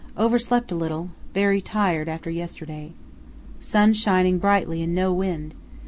Overslept a little; very tired after yesterday. Sun shining brightly and no wind.